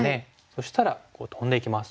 そしたらトンでいきます。